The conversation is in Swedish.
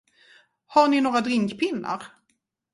Har ni några drinkpinnar?